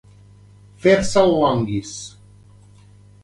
Fer-se el longuis.